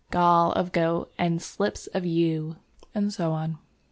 gall of goat and slips of yew"; and so on.